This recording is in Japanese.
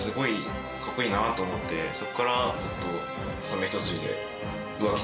そこからずっと。